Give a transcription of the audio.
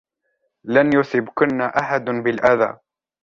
لن يصبكن أحد بالأذى.